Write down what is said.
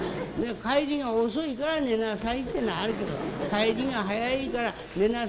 『帰りが遅いから寝なさい』ってのはあるけど『帰りが早いから寝なさい』